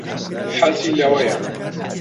حەزی لەوەیە.